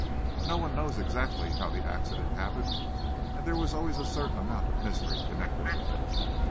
No one knows exactly how the accident happened, and there was always a certain amount of mystery connected with it.